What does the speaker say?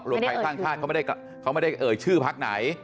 รวมไทยสร้างชาติเขาไม่ได้เอ่ยชื่อพักไหน